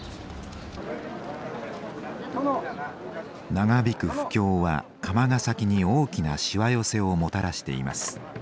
長引く不況は釜ヶ崎に大きなしわ寄せをもたらしています。